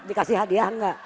dikasih hadiah enggak